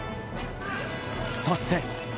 そして。